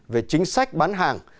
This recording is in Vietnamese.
về chính sách bán hàng